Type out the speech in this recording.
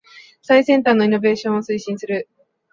最先端のイノベーションを推進する